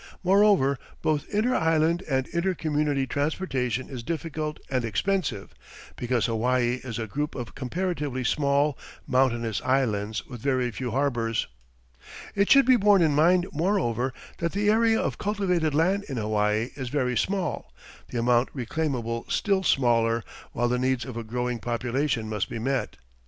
Moreover, both inter island and inter community transportation is difficult and expensive, because Hawaii is a group of comparatively small, mountainous islands with very few harbours. It should be borne in mind, moreover, that the area of cultivated land in Hawaii is very small, the amount reclaimable still smaller, while the needs of a growing population must be met.